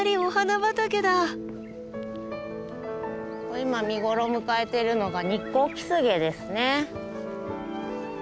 今見頃を迎えてるのがニッコウキスゲですね。